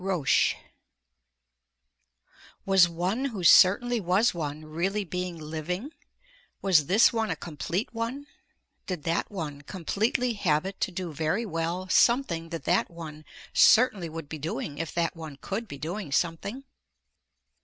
ROCHE Was one who certainly was one really being living, was this one a complete one, did that one completely have it to do very well something that that one certainly would be doing if that one could be doing something.